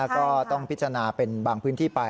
ก็ต้องพิจารณาเป็นบางพื้นที่ไป